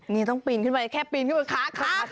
นี่ต้องปีนขึ้นไปแค่ปีนขึ้นไปค้า